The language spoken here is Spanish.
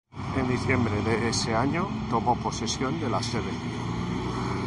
En diciembre de ese año, tomó posesión de la sede.